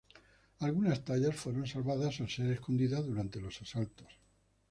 Algunas tallas fueron salvadas al ser escondidas durante los asaltos.